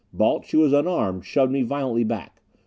Balch, who was unarmed, shoved me violently back.